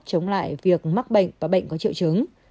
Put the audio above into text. chống lại việc mắc bệnh và bệnh có triệu chứng